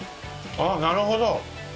ああ、なるほど。